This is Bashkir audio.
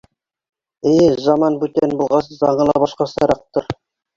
Эйе, заманы бүтән булғас, заңы ла башҡасараҡтыр.